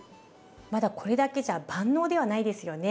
まだこれだけじゃ万能ではないですよね。